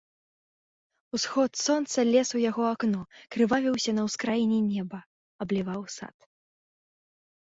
Усход сонца лез у яго акно, крывавіўся на ўскраіне неба, абліваў сад.